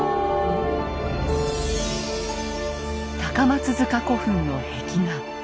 高松塚古墳の壁画。